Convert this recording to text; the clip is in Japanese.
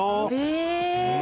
え！